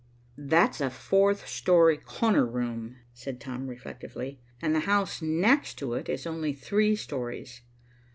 "That's a fourth story corner room," said Tom reflectively, "and the house next to it is only three stories.